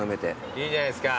いいじゃないすか。